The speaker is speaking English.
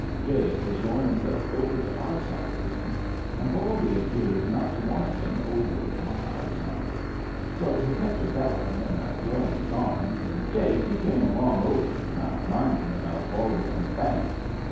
Jake was rowin' himself over to our side again, and Baldy appeared not to want him over on our side. So he kept a bellerin' and throwin* his arms, and Jake he came along over, not mindin' about Baldy on the bank.